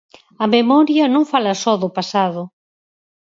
A memoria non fala só do pasado.